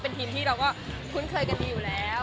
เป็นทีมที่เราก็คุ้นเคยกันดีอยู่แล้ว